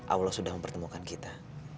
allah sudah mempertemukan kita